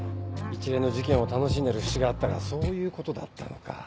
一連の事件を楽しんでる節があったがそういうことだったのか。